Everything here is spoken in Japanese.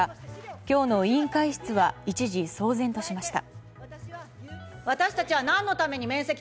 今日の委員会室は一時、騒然としました。